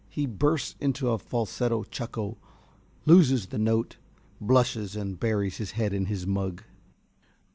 (_He bursts into a falsetto chuckle, loses the note, blushes and buries his head in his mug.